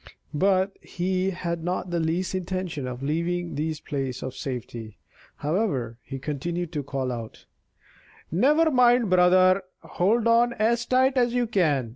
But he had not the least intention of leaving his place of safety. However, he continued to call out: "Never mind, brother; hold on as tight as you can.